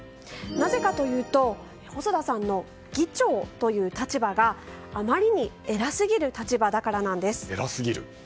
なぜかというと細田さんの議長という立場があまりに偉すぎる立場だからです。